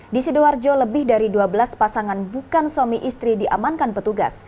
di sidoarjo lebih dari dua belas pasangan bukan suami istri diamankan petugas